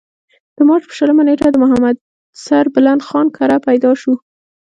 د مارچ پۀ شلمه نېټه د محمد سربلند خان کره پېدا شو ۔